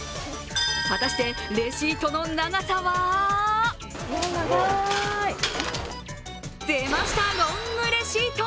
果たしてレシートの長さは出ました、ロングレシート！